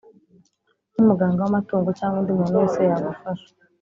n umuganga w amatungo cyangwa undi muntu wese yagufasha